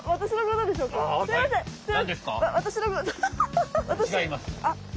すいません！